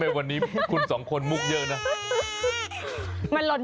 มันหล่นอยู่แถวเนี่ยก็เก็บมา